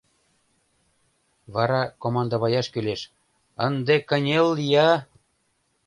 Вара командоваяш кӱлеш: «Ынде кынел-я!»